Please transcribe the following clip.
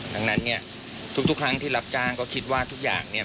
ดังนั้นเนี่ยทุกครั้งที่รับจ้างก็คิดว่าทุกอย่างเนี่ย